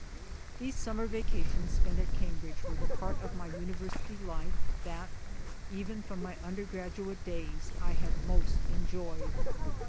These summer vacations spent at Cambridge were the part of my university life that even from my undergraduate days I had most enjoyed.